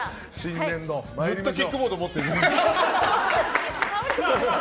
ずっとキックボード持ってるね。